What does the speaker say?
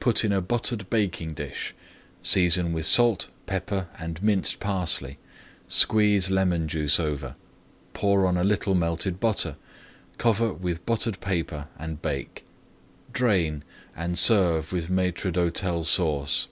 Put in a buttered baking dish, season with salt, pepper, and minced parsley, squeeze lemon juice over, pour on a little melted butter, cover with buttered paper, and bake. Drain, and serve with Maître d'Hôtel Sauce.